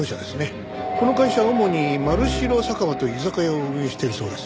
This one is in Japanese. この会社は主にまるしろ酒場という居酒屋を運営しているそうです。